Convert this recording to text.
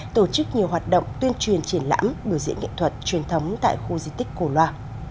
tổ chức nhiều hoạt động tuyên truyền triển lãm biểu diễn nghệ thuật truyền thống tại khu di tích cổ loa